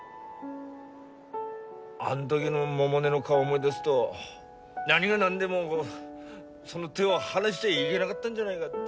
あん時の百音の顔を思い出すと何が何でもその手を離しちゃいげながったんじゃないがって。